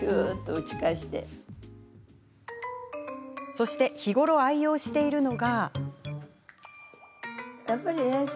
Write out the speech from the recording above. そして日頃、愛用しているのが。